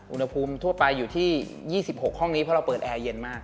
อุณหภูมิทั่วไปอยู่ที่๒๖ห้องนี้เพราะเราเปิดแอร์เย็นมาก